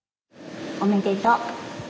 おめでとう。